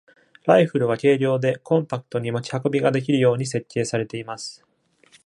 ライフルは、軽量で、コンパクトに持ち運びができるように設計されています。